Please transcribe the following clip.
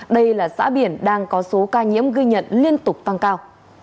đây là xã biển đang có số ca nhiễm ghi nhận liên tục tăng cao